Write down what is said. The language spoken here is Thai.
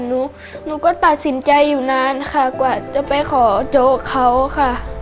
หนูก็ตัดสินใจอยู่นานค่ะกว่าจะไปขอโจ๊กเขาค่ะ